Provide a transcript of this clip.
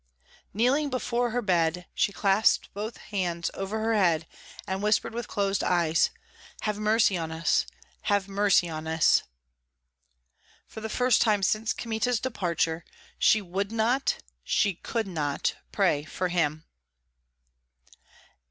Kneeling before her bed, she clasped both hands over her head, and whispered with closed eyes, "Have mercy on us! Have mercy on us!" The first time since Kmita's departure she would not, she could not pray for him.